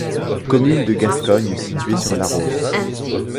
Commune de Gascogne située sur l'Arros.